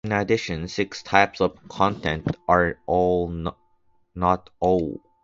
In addition six types of content are not allowed.